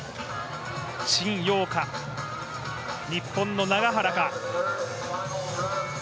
陳ヨウか、日本の永原か。